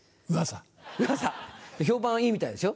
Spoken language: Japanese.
評判はいいみたいですよ。